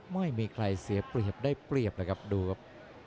ไม่มีใครเสียเปรียบได้เปรียบเลยครับดูครับ